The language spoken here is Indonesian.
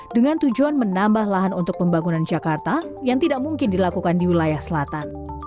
dengan tujuan menambah lahan untuk pembangunan jakarta yang tidak mungkin dilakukan di wilayah selatan